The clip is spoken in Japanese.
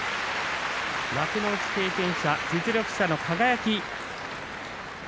幕内経験者、実力者の輝。